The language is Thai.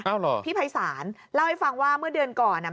เอาเหรอพี่ภัยศาลเล่าให้ฟังว่าเมื่อเดือนก่อนอ่ะ